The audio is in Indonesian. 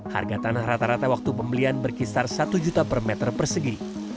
harga tanah rata rata waktu pembelian berkisar satu juta per meter persegi